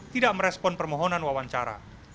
tidak merespon permohonan wawancara